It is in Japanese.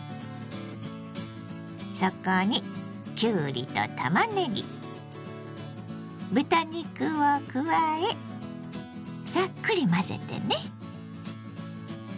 そこにきゅうりとたまねぎ豚肉を加えさっくり混ぜてね。